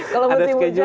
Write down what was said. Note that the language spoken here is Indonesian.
kalau berarti hujan ya